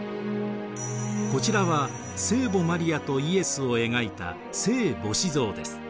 こちらは聖母マリアとイエスを描いた聖母子像です。